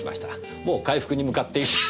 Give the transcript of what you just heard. もう回復に向かって。